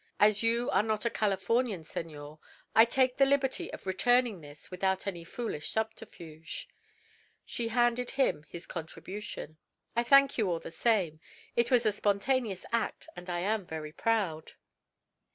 As you are not a Californian, senor, I take the liberty of returning this without any foolish subterfuge." She handed him his contribution. "I thank you all the same. It was a spontaneous act, and I am very proud."